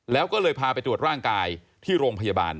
แล้วก็เลยพาไปตรวจร่างกายที่โรงพยาบาล